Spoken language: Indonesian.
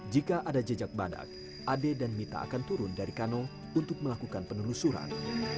jika ada jejak badak ade dan mita akan turun dari kano untuk melakukan penelusuran